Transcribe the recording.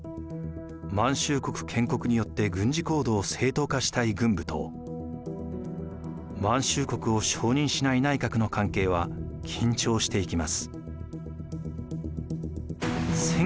満州国建国によって軍事行動を正当化したい軍部と満州国を承認しない内閣の関係は緊張していきます。